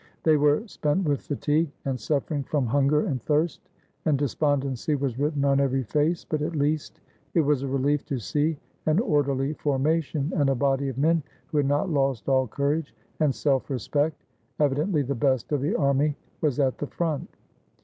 They were spent with fatigue, and suffering from hunger and thirst, and despondency was written on every face, but at least it was a relief to see an orderly formation and a body of men who had not lost all courage and self respect. Evidently the best of the army was at the front.